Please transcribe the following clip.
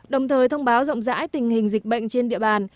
đồng thời thông báo rộng rãi tình hình dịch bệnh trên địa bàn